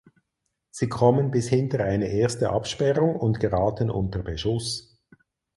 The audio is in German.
Sie kommen bis hinter eine erste Absperrung und geraten unter Beschuss.